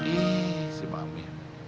ih si mami